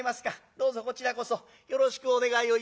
どうぞこちらこそよろしくお願いをいたします」。